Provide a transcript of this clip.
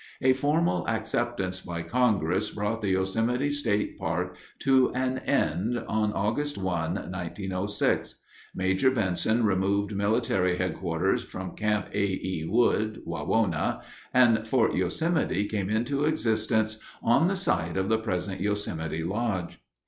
A formal acceptance by Congress brought the Yosemite State Park to an end on August 1, 1906. Major Benson removed military headquarters from Camp A. E. Wood (Wawona), and Fort Yosemite came into existence on the site of the present Yosemite Lodge.